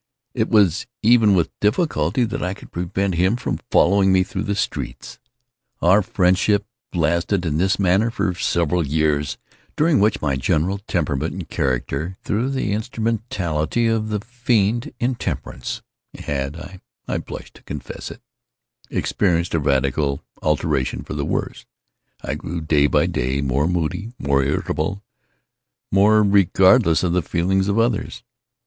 It was even with difficulty that I could prevent him from following me through the streets. Our friendship lasted, in this manner, for several years, during which my general temperament and character—through the instrumentality of the Fiend Intemperance—had (I blush to confess it) experienced a radical alteration for the worse. I grew, day by day, more moody, more irritable, more regardless of the feelings of others.